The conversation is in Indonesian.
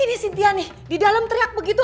ini sintia nih di dalam teriak begitu